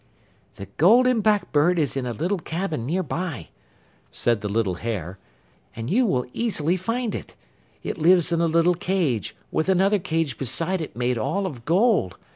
'The Golden Blackbird is in a little cabin near by,' said the little hare, 'and you will easily find it. It lives in a little cage, with another cage beside it made all of gold.